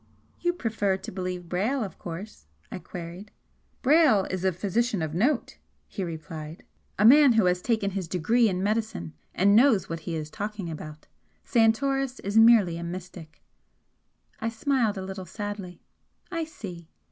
"You prefer to believe Brayle, of course?" I queried. "Brayle is a physician of note," he replied, "A man who has taken his degree in medicine and knows what he is talking about. Santoris is merely a mystic." I smiled a little sadly. "I see!"